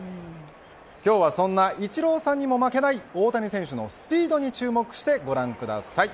今日はそんなイチローさんにも負けない大谷選手のスピードに注目してご覧ください。